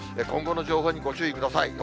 今後の情報にご注意ください。